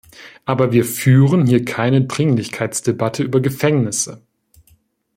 Aber wir führen hier keine Dringlichkeitsdebatte über Gefängnisse.